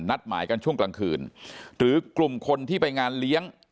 นัดหมายกันช่วงกลางคืนหรือกลุ่มคนที่ไปงานเลี้ยง